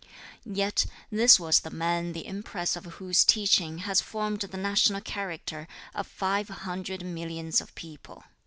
Yet this was the man the impress of whose teaching has formed the national character of five hundred millions of people.